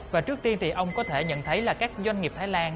và trước tiên thì ông có thể nhận thấy là các doanh nghiệp thái lan